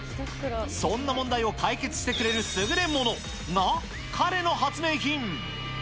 そんな問題を解決してくれる優れものが、彼の発明品。